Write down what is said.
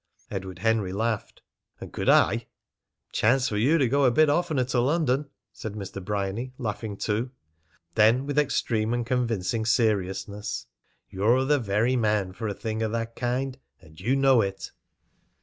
Edward Henry laughed: "And could I?" "Chance for you to go a bit oftener to London," said Mr. Bryany, laughing too. Then, with extreme and convincing seriousness, "You're the very man for a thing of that kind. And you know it."